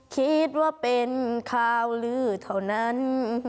คิดว่าเป็นข่าวลือเท่านั้น